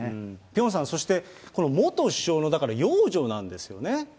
ピョンさん、そしてこの元首相の、だから養女なんですよね。